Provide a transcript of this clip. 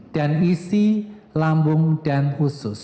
dan isi lambung dan usus